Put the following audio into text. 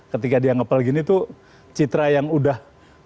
ketika dia ngepel gini tuh citra yang udah